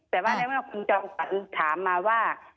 แต่ว่าในเมื่อคุณจอมขวัญถามมาว่า